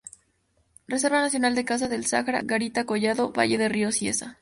Reserva Nacional de Caza del Saja, Garita Collado, Valle del Río Cieza.